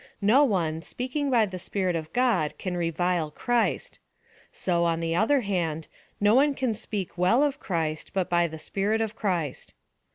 No one, speaking by the Spirit of God, can revile Christ; so, on the other hand, no one can speak well of Christ, but by the Spi7 it of Christ.